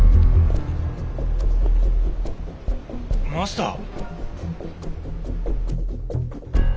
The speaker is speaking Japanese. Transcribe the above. マスター。